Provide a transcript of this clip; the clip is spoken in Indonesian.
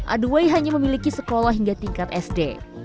aduway hanya memiliki sekolah hingga tingkat sd